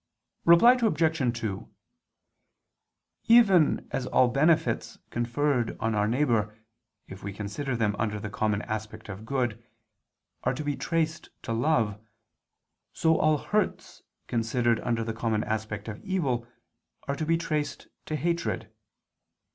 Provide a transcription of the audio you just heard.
Reply Obj. 2: Even as all benefits conferred on our neighbor, if we consider them under the common aspect of good, are to be traced to love, so all hurts considered under the common aspect of evil, are to be traced to hatred.